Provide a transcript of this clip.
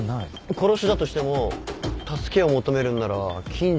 殺しだとしても助けを求めるんなら近所の家は坂の下だし。